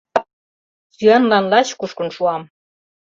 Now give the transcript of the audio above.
Сӱанлан лач кушкын шуам.